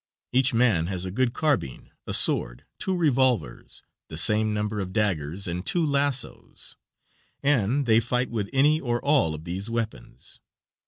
Each man has a good carbine, a sword, two revolvers, the same number of daggers and two lassos, and they fight with any or all of these weapons.